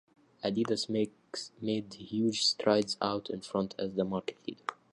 Adidas made huge strides out in front as the market leader.